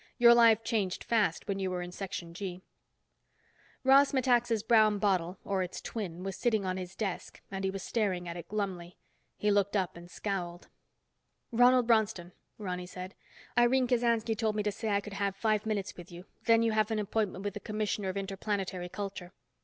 Your life changed fast when you were in Section G. Ross Metaxa's brown bottle, or its twin, was sitting on his desk and he was staring at it glumly. He looked up and scowled. "Ronald Bronston," Ronny said. "Irene Kasansky told me to say I could have five minutes with you, then you have an appointment with the Commissioner of Interplanetary Culture."